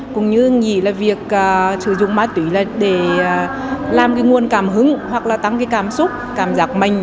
cũng như nghỉ là việc sử dụng ma túy là để làm cái nguồn cảm hứng hoặc là tăng cái cảm xúc cảm giác mạnh